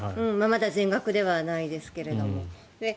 まだ全額ではないですけれど。